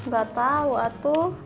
gak tau atu